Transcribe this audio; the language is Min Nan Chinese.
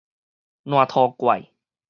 爛塗怪